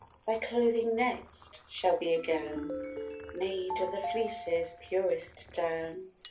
Thy clothing next, shall be a gown Made of the fleeces' purest down.